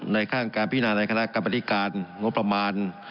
ในข้างการพินาในคณะการปฏิการย์งบปรมาณ